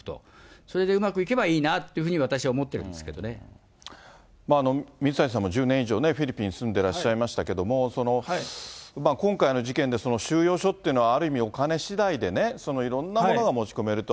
それでうまくいけばいいなという水谷さんも１０年以上、フィリピン住んでらっしゃいましたけど、今回の事件で収容所っていうのは、ある意味お金しだいでね、いろんなものが持ち込めると。